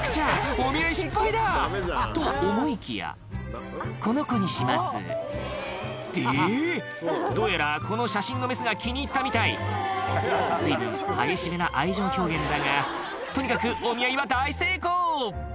お見合い失敗だと思いきや「この子にします」ってえぇ⁉どうやらこの写真のメスが気に入ったみたい随分激しめな愛情表現だがとにかくお見合いは大成功！